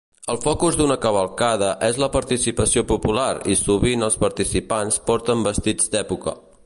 El focus d'una cavalcada és la participació popular i sovint els participants porten vestits d'època.